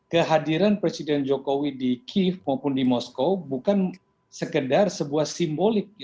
kehadiran presiden jokowi di kiev maupun di moskow bukan sekedar sebuah simbolik